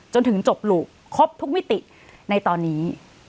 จนถึงจบลูกครบทุกมิติในตอนนี้